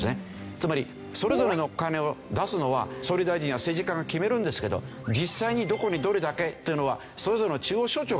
つまりそれぞれのお金を出すのは総理大臣や政治家が決めるんですけど実際にどこにどれだけというのはそれぞれの中央省庁が決めるでしょ？